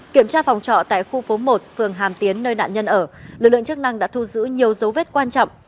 kiểm tra phòng trọ tại khu phố một phường hàm tiến nơi nạn nhân ở lực lượng chức năng đã thu giữ nhiều dấu vết quan trọng